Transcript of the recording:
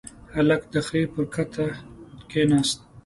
هلک د خرې پر کته کېناست.